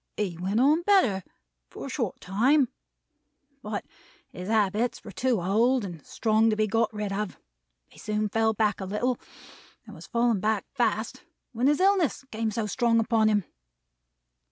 "He went on better for a short time; but, his habits were too old and strong to be got rid of; he soon fell back a little; and was falling fast back, when his illness came so strong upon him.